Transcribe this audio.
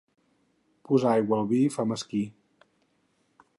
Posar aigua al vi fa mesquí.